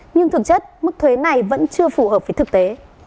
nhưng thực chất mức thuế này vẫn chưa phù hợp với thực tế